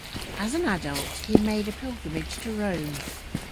As an adult he made a pilgrimage to Rome.